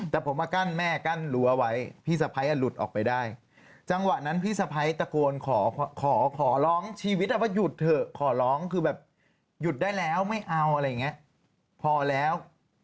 แต่ผมมากั้นแม่กั้นรั้วไว้พี่สะพ้ายหลุดออกไปได้จังหวะนั้นพี่สะพ้ายตะโกนขอขอร้องชีวิตว่าหยุดเถอะขอร้องคือแบบหยุดได้แล้วไม่เอาอะไรอย่างนี้พอแล้ว